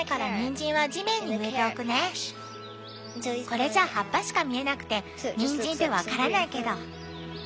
これじゃ葉っぱしか見えなくてにんじんって分からないけど。